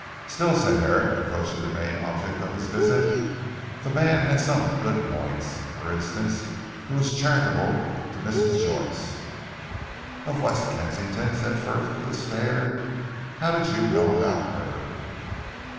"Still," said Herrick approaching the main object of his visit, "the man had some good points. For instance, he was charitable to Mrs. Joyce." "Of West Kensington?" said Frith with a stare. "How did you know about her."